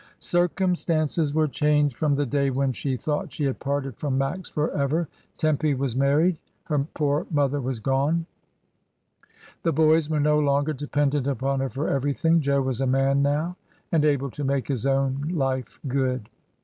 Circumstances were changed from 268 MRS. DYMOND. the day when she thought she had parted from Max for ever. Tempy was married, her poor mother was gone. The boys were no longer dependent upon her for everything. Jo was a man now and able to make his own life good.